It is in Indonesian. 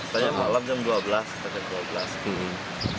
pernah malam jam dua belas sekitar dua belas